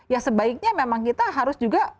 ya sebaiknya memang kita harus juga